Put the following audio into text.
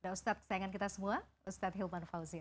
ustadz sayangan kita semua ustadz hilman fauzia